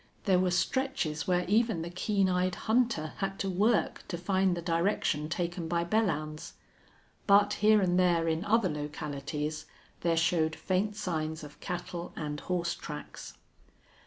There were stretches where even the keen eyed hunter had to work to find the direction taken by Belllounds. But here and there, in other localities, there showed faint signs of cattle and horse tracks.